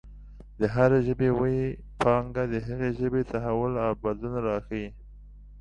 د هرې ژبې ویي پانګه د هغې ژبې تحول او بدلون راښايي.